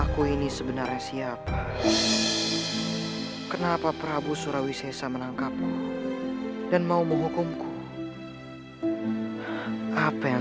aku ini sebenarnya siapa kenapa prabu surawi sese menangkapmu dan mau menghukumku apa yang